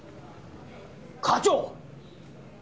課長！